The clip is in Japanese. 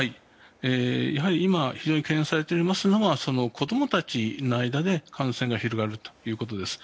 やはり今非常に懸念されていますのは子供たちの間で感染が広がるということです。